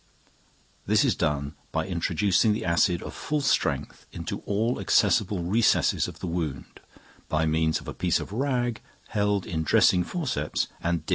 This is done by introducing the acid of full strength into all accessible recesses of the wound by means of a piece of rag held in dressing forceps and dipped into the liquid.